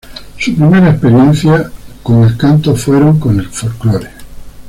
Sus primeras experiencias con el canto fueron con el folclore.